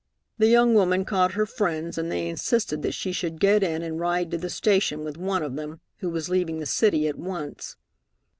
The young woman caught her friends, and they insisted that she should get in and ride to the station with one of them who was leaving the city at once.